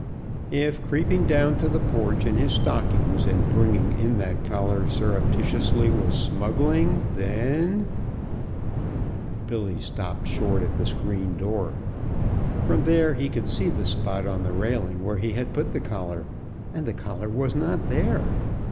If creeping down to the porch in his stockings, and bringing in that collar surreptitiously, was smuggling, then Billy stopped short at the screen door. From there he could see the spot on the railing where he had put the collar, and the collar was not there!